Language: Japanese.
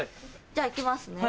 じゃあ行きますね。